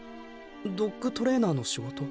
ドッグトレーナーの仕事？